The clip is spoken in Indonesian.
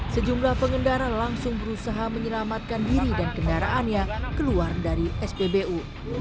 sejumlah pengendara langsung berusaha menyelamatkan diri dan kendaraannya keluar dari spbu